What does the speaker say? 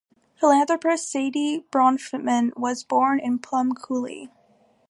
Philanthropist Saidye Bronfman was born in Plum Coulee.